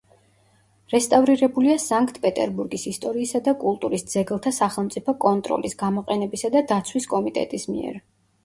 რესტავრირებულია სანქტ-პეტერბურგის ისტორიისა და კულტურის ძეგლთა სახელმწიფო კონტროლის, გამოყენებისა და დაცვის კომიტეტის მიერ.